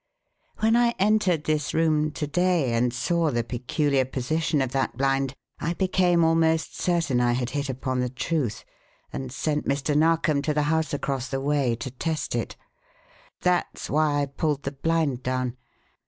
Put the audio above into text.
"When I entered this room to day and saw the peculiar position of that blind I became almost certain I had hit upon the truth, and sent Mr. Narkom to the house across the way to test it. That's why I pulled the blind down.